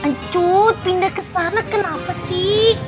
ancut pindah kemana kenapa sih